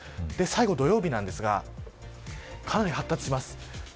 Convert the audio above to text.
最後、土曜日ですがかなり発達します。